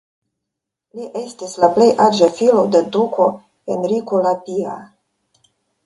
Li estis la plej aĝa filo de duko Henriko la Pia.